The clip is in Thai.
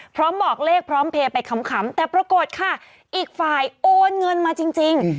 บอกเลขพร้อมเพลย์ไปขำแต่ปรากฏค่ะอีกฝ่ายโอนเงินมาจริง